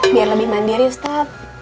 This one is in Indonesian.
biar lebih mandiri ustaz